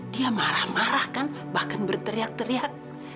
dia marah marah kan bahkan berteriak teriak